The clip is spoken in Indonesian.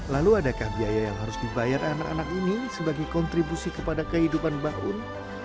lalu adakah biaya yang harus dibayar anak anak ini sebagai kontribusi kepada kehidupan mbah un